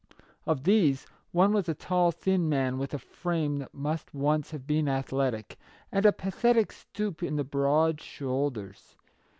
Of these, one was a tall, thin man, with a frame that must once have been athletic, and a pathetic stoop in the broad shoulders.